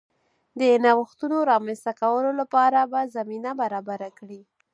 د نوښتونو رامنځته کولو لپاره به زمینه برابره کړي